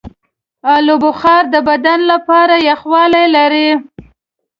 آلوبخارا د بدن لپاره یخوالی لري.